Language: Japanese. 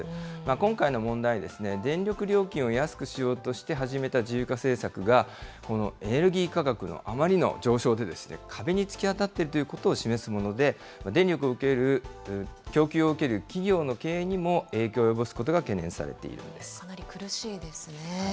今回の問題、電力料金を安くしようとして始めた自由化政策が、エネルギー価格のあまりの上昇で壁に突き当たっていることを示すもので、電力の供給を受ける企業の経営にも影響を及ぼすことが懸かなり苦しいですね。